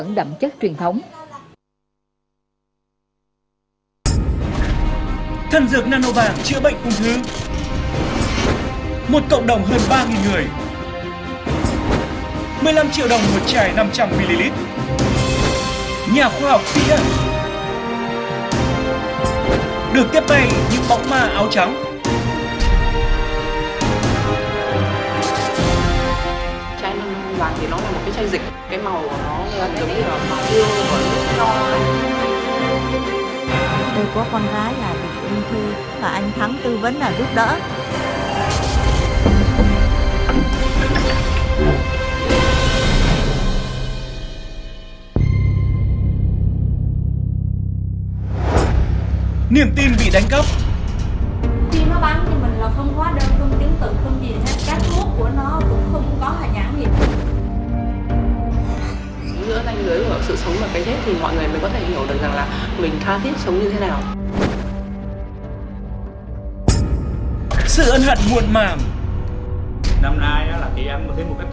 phóng viên truyền hình công an nhân dân đã bỏ ra hơn hai năm